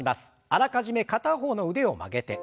あらかじめ片方の腕を曲げて。